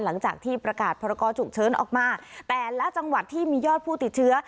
หลังจากที่ประกาศพรกรฉุกเฉินออกมาแต่ละจังหวัดที่มียอดผู้ติดเชื้อ